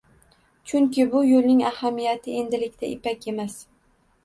Chunki bu yoʻlning ahamiyatini endilikda ipak emas.